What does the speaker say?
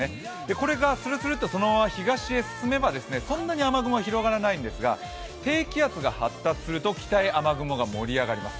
これがスルスルッと東に進めばそんなに雨雲は広がらないんですが、低気圧が発達すると北へ雨雲が盛り上がります。